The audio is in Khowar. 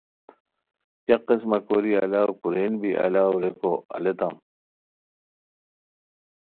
کیہ قسمہ کوری الاؤ کورین بی الاؤ؟ ریکو الیتام